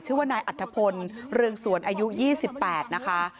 ชื่อนายอัตภพลลืงสวนอายุ๒๘นะคะ